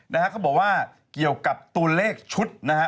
นะฮะเขาบอกว่าเกี่ยวกับตัวเลขชุดนะฮะ